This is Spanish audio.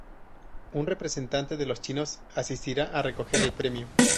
Un representante de los chinos asistirá a recoger el premio.